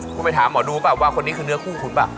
คุณไปถามหมอดูเปล่าว่าคนนี้คือเนื้อคู่คุณเปล่า